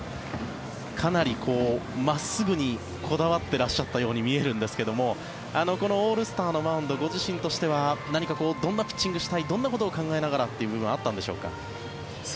かなり真っすぐにこだわっていらっしゃったように見えるんですけどもこのオールスターのマウンドご自身としては何かどんなピッチングをしたいどんなことを考えながらというのはあったんでしょうか。